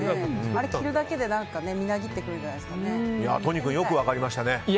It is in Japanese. あれ着るだけでみなぎってくるんじゃ都仁君、よく分かりましたね。